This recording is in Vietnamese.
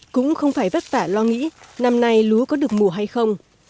cũng không phải vất vả lo nghĩ năm nay lúa có được mùa hay không